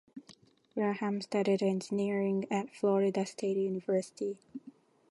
Graham studied engineering at Florida State University.